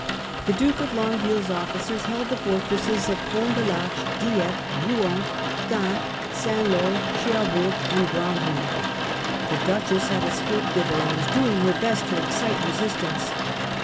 The Duke of Longueville's officers held the fortresses of Pont de PArche, Dieppe, Rouen, Caen, St. Lo, Cherbourg, and Granville. The Duchess had escaped thither and was doing her best to excite resistance.